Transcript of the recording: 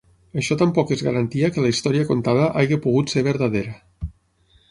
Això tampoc és garantia que la història contada hagi pogut ser verdadera.